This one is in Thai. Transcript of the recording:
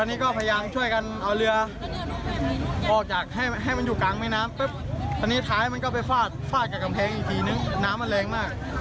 ตอนนี้ก็พยายามช่วยกันเอาเรือปลอดภัยให้มันอยู่กลางมีน้ำทันทีมันก็ไปฟาดกับกำแพงอีกทีหนึ่งน้ำมันแรงมาก